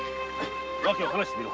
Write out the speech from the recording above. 訳を話してみろ。